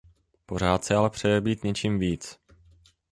Pořád si ale přeje být něčím víc.